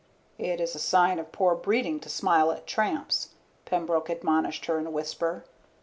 "It is a sign of poor breeding to smile at tramps," Pembroke admonished her in a whisper.